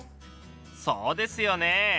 そうですよね。